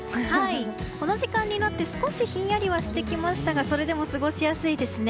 この時間になって少しひんやりはしてきましたがそれでも過ごしやすいですね。